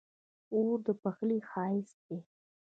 اوړه د پخلي ښايست دی